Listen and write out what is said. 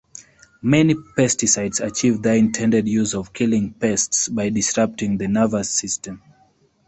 Many pesticides achieve their intended use of killing pests by disrupting the nervous system.